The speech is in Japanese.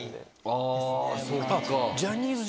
あそっか。